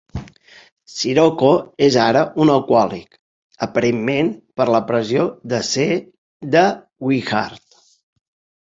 Cirocco és ara un alcohòlic, aparentment per la pressió de ser "The Wizard".